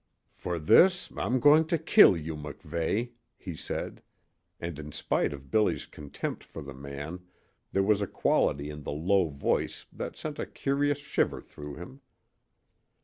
"For this I'm going to kill you, MacVeigh," he said; and in spite of Billy's contempt for the man there was a quality in the low voice that sent a curious shiver through him.